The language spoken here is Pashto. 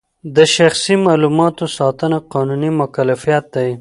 د شخصي معلوماتو ساتنه قانوني مکلفیت دی.